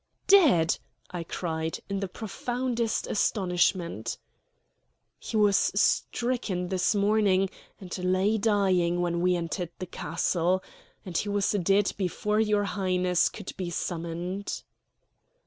"Dead!" I cried, in the profoundest astonishment. "He was stricken this morning, and lay dying when we entered the castle. And he was dead before your Highness could be summoned."